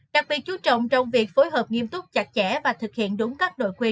đặc biệt chú trọng trong việc phối hợp nghiêm túc chặt chẽ và thực hiện đúng các nội quy